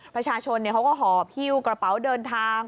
ประชาชนเขาก็ห่อหิ้วกระเป๋าเดินทาง